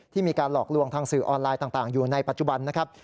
มีการหลอกลวงทางสื่อออนไลน์ต่างอยู่ในปัจจุบันนะครับ